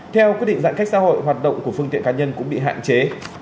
theo quyết định giãn cách xã hội hoạt động của phương tiện cá nhân cũng bị hạn chế